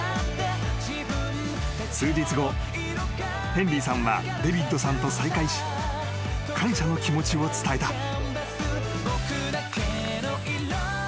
［数日後ヘンリーさんはデビッドさんと再会し感謝の気持ちを伝えた］